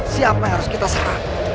siapa yang harus kita serang